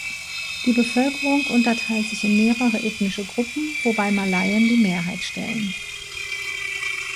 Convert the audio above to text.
Die Bevölkerung unterteilt sich in mehrere ethnische Gruppen, wobei Malaien die Mehrheit stellen.